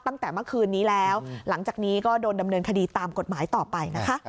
ตั้งแต่เมื่อคืนนี้แล้วหลังจากนี้ก็โดนดำเนินคดีตามกฎหมายต่อไปนะคะ